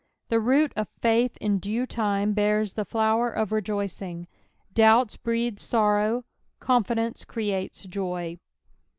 The root of faith in due lime bean the flower of rejoicing. Doubts breed sorrow, confidence creates joy.